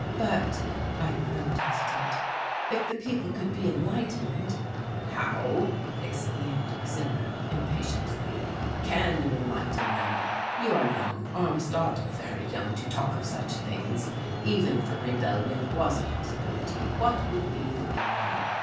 "But," I protested, "if the people could be enlightened?" "How," exclaimed Zimmern impatiently, "can you enlighten them? You are young, Armstadt, very young to talk of such things even if a rebellion was a possibility what would be the gain?